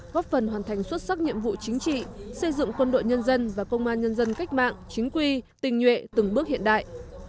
góp phần hoàn thành xuất sắc nhiệm vụ chính trị xây dựng quân đội nhân dân và công an nhân dân cách mạng chính quy tình nhuệ từng bước hiện đại